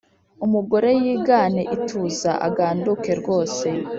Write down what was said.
Umugore yigane ituza aganduke rwose,